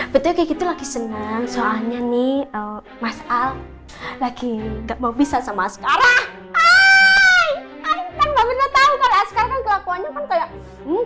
betul gitu lagi senang soalnya nih mas al lagi nggak mau bisa sama sekarang